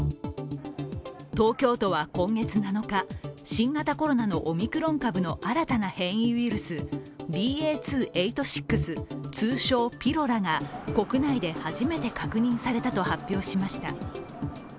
東京都は今月７日、新型コロナのオミクロン株の新たな変異ウイルスＢＡ．２．８６、通称ピロラが国内で初めて確認されたと発表しました。